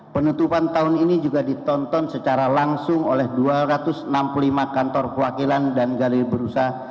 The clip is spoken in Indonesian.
penutupan tahun ini juga ditonton secara langsung oleh dua ratus enam puluh lima kantor perwakilan dan galeri berusaha